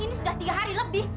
ini sudah tiga hari lebih